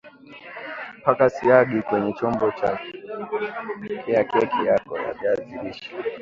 Paka siagi kwenye chombo cha kuokea keki yako ya viazi lishe